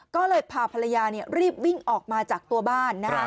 ก็เลยพาภรรยารีบวิ่งออกมาจากตัวบ้าน